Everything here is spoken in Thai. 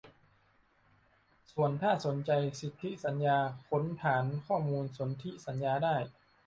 ส่วนถ้าสนใจสิทธิสัญญา ค้นฐานข้อมูลสนธิสัญญาได้